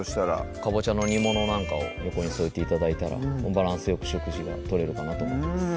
かぼちゃの煮物なんかを横に添えて頂いたらバランスよく食事がとれるかなと思います